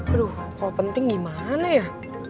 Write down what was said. aduh kalau penting gimana ya